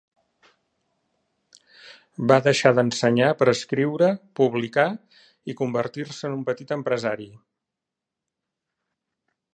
Va deixar d'ensenyar per escriure, publicar i convertir-se en un petit empresari.